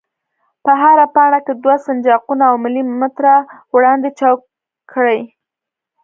په هره پاڼه کې دوه سنجاقونه او ملي متره وړاندې چوګ کړئ.